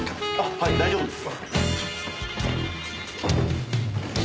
はい大丈夫です。